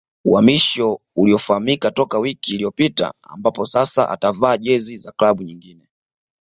Uhamisho uliofahamika toka wiki iliyopita ambapo sasa atavaa jezi za klabu nyingine